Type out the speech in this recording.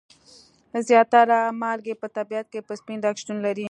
زیاتره مالګې په طبیعت کې په سپین رنګ شتون لري.